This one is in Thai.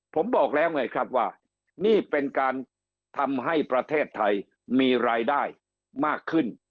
ผมบอกแล้วไงครับว่านี่เป็นการทำให้ประเทศไทยมีรายได้มากขึ้น